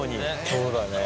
そうだね。